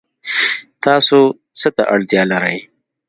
تاسو څه ته اړتیا لرئ؟